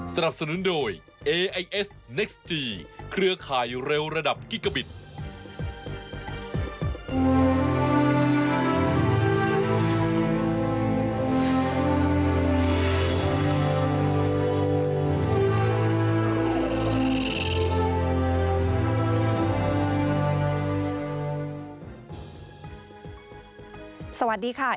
สวัสดีค่ะ